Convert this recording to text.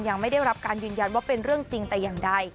ยังไม่ได้รับการยืนยันว่าเป็นเรื่องจริงแต่อย่างใด